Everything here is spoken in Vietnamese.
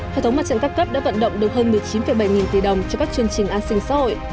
hệ thống mặt trận các cấp đã vận động được hơn một mươi chín bảy nghìn tỷ đồng cho các chương trình an sinh xã hội